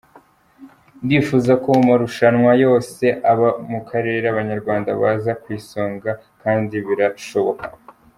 Ndifuza ko mu marushanwa yose aba mu karere, Abanyarwanda baza ku isonga kandi birahoboka.